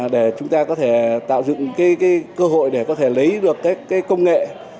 để chúng ta có thể tạo dựng cơ hội để có thể lấy được các công nghệ